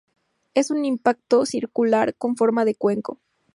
Es un impacto circular, con forma de cuenco.